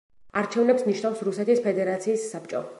არჩევნებს ნიშნავს რუსეთის ფედერაციის საბჭო.